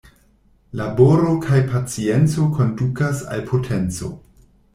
Laboro kaj pacienco kondukas al potenco.